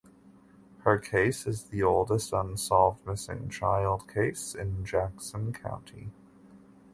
Her case is the oldest unsolved missing child case in Jackson County.